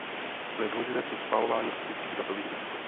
To je důležité při spalování optických datových disků.